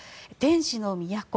「天使の都